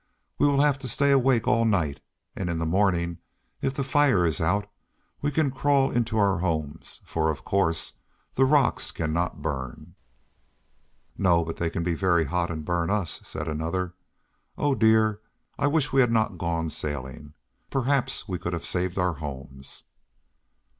We will have to stay awake all night, and in the morning if the fire is out we can crawl into our homes, for, of course, the rocks cannot burn." "No, but they can be very hot and burn us," said another. "Oh dear, I wish we had not gone sailing; perhaps we could have saved our homes."